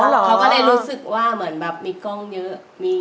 เขาก็เลยรู้สึกว่าเหมือนแบบมีกล้องเยอะ